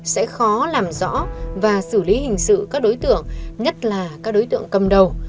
sẽ khó làm rõ và xử lý hình sự các đối tượng nhất là các đối tượng cầm đầu